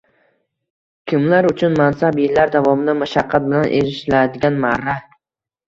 Kimlar uchun mansab yillar davomida mashaqqat bilan erishiladigan marra.